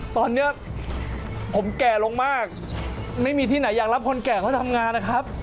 ตอนนี้ผมแก่ลงมากไม่มีที่ไหนอยากรับคนแก่เขาทำงานนะครับ